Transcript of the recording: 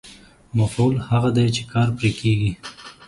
مفعول هغه دی چې کار پرې کېږي.